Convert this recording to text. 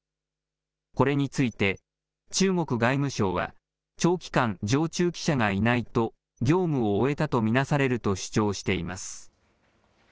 これについて、中国外務省は長期間、常駐記者がいないと業務を終えたと見なされると主張しています。